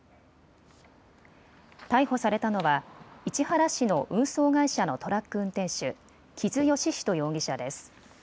逮捕されたのは市原市の運送会社のトラック運転手、木津吉仁容疑者です。